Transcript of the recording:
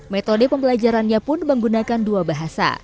metode pembelajarannya pun menggunakan dua bahasa